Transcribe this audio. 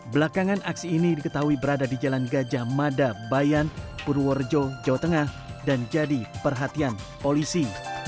belakangan aksi ini diketahui berada di jalan gajah mada bayan purworejo jawa tengah dan jadi perhatian polisi